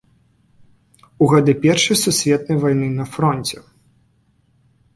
У гады першай сусветнай вайны на фронце.